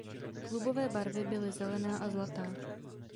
Klubové barvy byly zelená a zlatá.